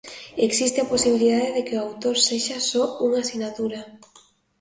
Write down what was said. Existe a posibilidade de que o autor sexa só unha sinatura.